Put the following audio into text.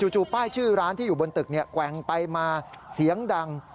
จู่ป้ายชื่อร้านที่อยู่บนตึกแกว่งไปมาเสียงดัง